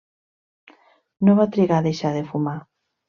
No va trigar a deixar de fumar.